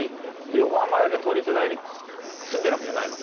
横浜だけど都立大に住んでるわけじゃないの？